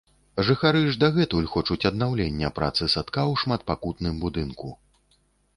Жыхары ж дагэтуль хочуць аднаўлення працы садка ў шматпакутным будынку.